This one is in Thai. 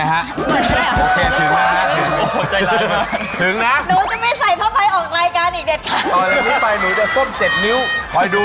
โชคความแม่นแทนนุ่มในศึกที่๒กันแล้วล่ะครับ